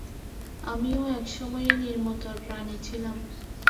আমরাও এক সময়ে নিম্নতর প্রাণী ছিলাম।